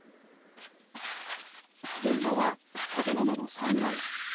現場は建物の３階。